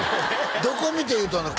どこ見て言うとんねん！